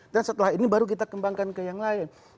dan setelah ini baru kita kembangkan ke yang lain